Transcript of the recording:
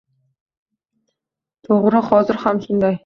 To'g'ri, hozir ham shunday